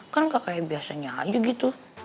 kan gak kayak biasanya aja gitu